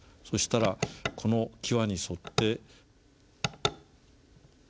そしたらこの際に沿って。